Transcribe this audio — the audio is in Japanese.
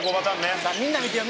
田村：みんな見てよ